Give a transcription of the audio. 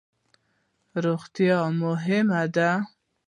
روغتیا مهمه ده